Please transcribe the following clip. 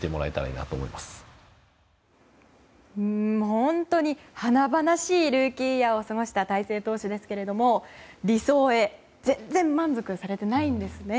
本当に華々しいルーキーイヤーを過ごした大勢投手ですが理想へ、全然満足されていないんですね。